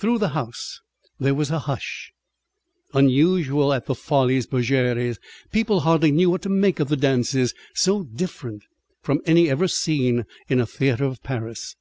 Through the house there was a hush, unusual at the Folies Bergères. People hardly knew what to make of the dances, so different from any ever seen in a theatre of Paris.